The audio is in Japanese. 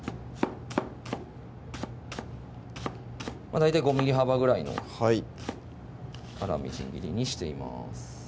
大体５ｍｍ幅ぐらいの粗みじん切りにしています